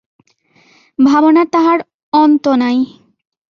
ভাবনার তাহার অম্ভ নাই।